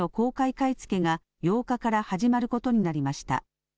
買い付けが８日から始まることになりました。